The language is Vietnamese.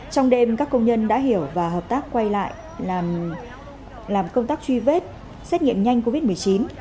trong đêm các công nhân đã hiểu và hợp tác quay lại làm công tác truy vết xét nghiệm nhanh covid một mươi chín